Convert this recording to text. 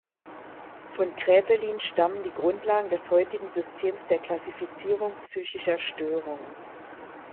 Von Kraepelin stammen die Grundlagen des heutigen Systems der Klassifizierung psychischer Störungen.